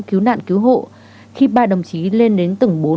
cứu nạn cứu hộ khi ba đồng chí lên đến tầng bốn